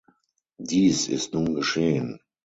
Dies ist nun geschehen.